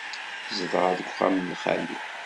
Zedɣeɣ deg uxxam n Xali.